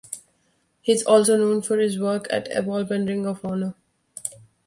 He is also known for his work at Evolve and Ring of Honor.